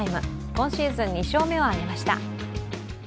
今シーズン２勝目を挙げました。